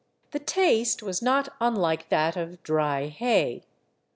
The taste was not unlike that of dry hay.